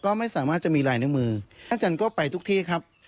ก็ไม่สามารถจะมีลายนิ้วมืออาจารย์ก็ไปทุกที่ครับ